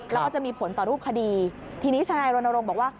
แล้วก็จะมีผลต่อรูปคดีทีนี้ทนายรณรงค์บอกว่า